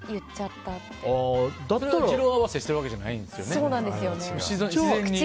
それは二朗合わせしてるわけじゃないんですよね。